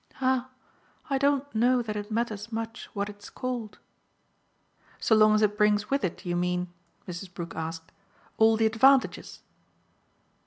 "Ah I don't know that it matters much what it's called." "So long as it brings with it, you mean," Mrs. Brook asked, "all the advantages?"